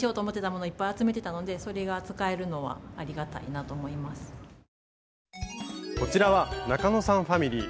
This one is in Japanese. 捨てないけどこちらは中野さんファミリー。